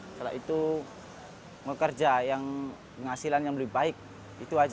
setelah itu bekerja yang hasilnya lebih baik itu saja